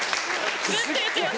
ずっと言ってます。